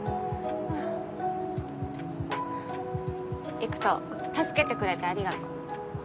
偉人助けてくれてありがとう。